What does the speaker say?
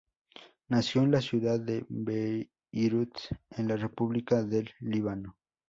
Nació en la ciudad de Beirut, en la república del Líbano.